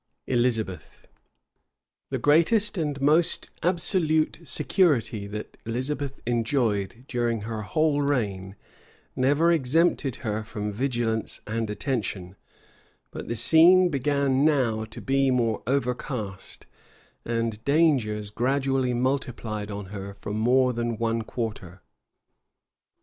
ELIZABETH. {1580.} The greatest and most absolute security that Elizabeth enjoyed during her whole reign, never exempted her from vigilance and attention; but the scene began now to be more overcast, and dangers gradually multiplied on her from more than one quarter.